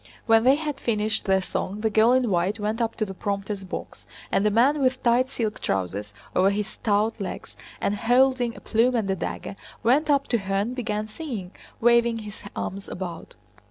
When they had finished their song the girl in white went up to the prompter's box and a man with tight silk trousers over his stout legs, and holding a plume and a dagger, went up to her and began singing, waving his arms about.